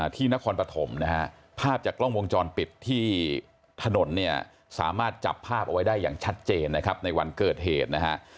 ที่นครปฐมนะฮะภาพจากกล้องวงจรปิดที่ถนนเนี่ยสามารถจับภาพเอาไว้ได้อย่างชัดเจนนะครับในวันเกิดเหตุนะฮะ